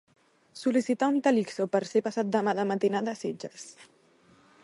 Sol·licitar un Talixo per ser passat demà de matinada a Sitges.